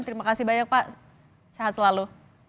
terima kasih banyak pak sehat selalu